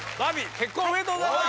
結婚おめでとうございます！